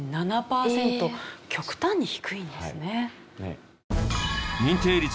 極端に低いんですね。